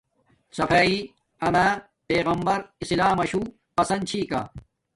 صفاݵݷ آما پیغبر اسلام ماشو پسند چھی کا